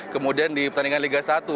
kemudian di pertandingan liga satu